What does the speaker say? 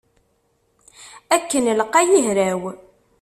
Akken lqay i hraw.